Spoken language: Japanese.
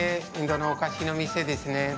インドのお菓子の店ですね。